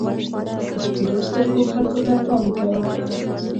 د سپېرو سترګو خلکو ته پام کوه.